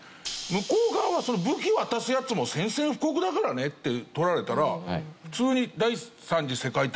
向こう側は武器渡すヤツも宣戦布告だからねって取られたら普通に。